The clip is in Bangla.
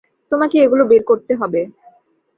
তোমাকে এগুলো বের করতে হবে।